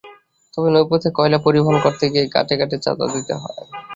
তবে নৌপথে কয়লা পরিবহন করতে গিয়ে ঘাটে ঘাটে চাঁদা দিতে হয়।